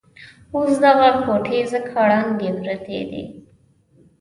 اوس دغه کوټې ځکه ړنګې پرتې دي.